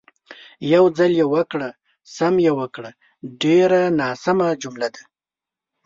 "یو ځل یې وکړه، سم یې وکړه" ډېره ناسمه جمله ده.